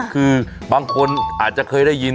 คือบางคนอาจจะเคยได้ยิน